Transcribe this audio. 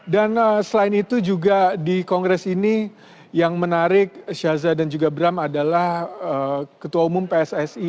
dan selain itu juga di kongres ini yang menarik syahzad dan juga bram adalah ketua umum pssi